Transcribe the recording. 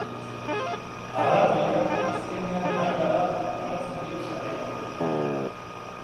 Arratoiak azkenean maila bat urratzen dio sareari.